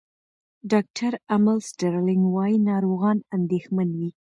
ډاکټر امل سټرلینګ وايي، ناروغان اندېښمن وي.